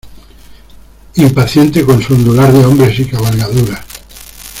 impaciente con su ondular de hombres y cabalgaduras.